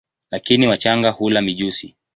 Lakini wachanga hula mijusi.